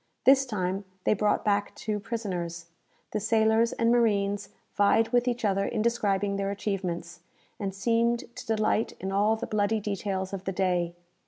This time they brought back two prisoners. The sailors and marines vied with each other in describing their achievements, and seemed to delight in all the bloody details of the day.